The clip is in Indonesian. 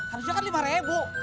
harusnya kan lima ribu